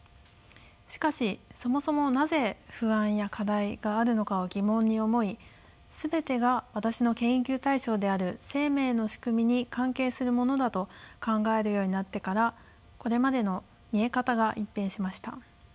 しかしそもそもなぜ不安や課題があるのかを疑問に思い全てが私の研究対象である生命の仕組みに関係するものだと考えるようになってからこれまでの見え方が一変しました。